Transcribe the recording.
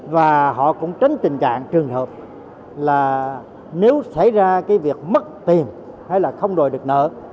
và họ cũng tránh tình trạng trường hợp là nếu xảy ra cái việc mất tiền hay là không đòi được nợ